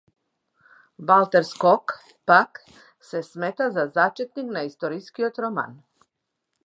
Валтер Скот, пак, се смета за зачетник на историскиот роман.